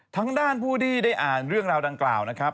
ทางด้านผู้ที่ได้อ่านเรื่องราวดังกล่าวนะครับ